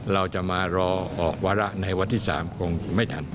เราจะมารอออกวาระในวันที่๓คงไม่ทัน